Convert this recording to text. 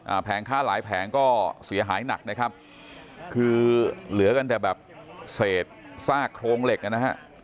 แผงค้าหลายแผงก็เสียหายหนักนะครับคือเหลือกันแต่แบบเศษซากโครงเหล็กนะฮะ